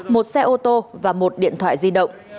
một xe ô tô và một điện thoại di động